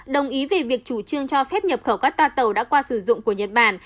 đồng ý về việc chủ trương cho phép nhập khẩu các toa tàu đã qua sử dụng của nhật bản